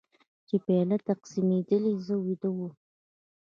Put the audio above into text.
چې پیالې تقسیمېدلې زه ویده وم.